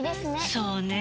そうねぇ。